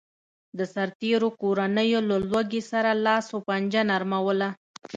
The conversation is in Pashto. د سرتېرو کورنیو له لوږې سره لاس و پنجه نرموله